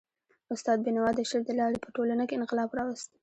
استاد بینوا د شعر د لاري په ټولنه کي انقلاب راوست.